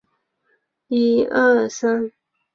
这一区域目前被用于行政办公室及档案馆。